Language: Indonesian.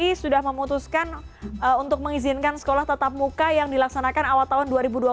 ini sudah memutuskan untuk mengizinkan sekolah tatap muka yang dilaksanakan awal tahun dua ribu dua puluh